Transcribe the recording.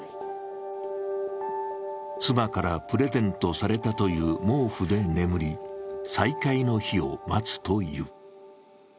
妻からプレゼントされたという毛布で眠り再会の日を待つという。